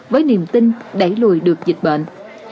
với niềm tin đẩy lùi được dịch bệnh